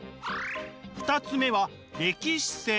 ２つ目は歴史性。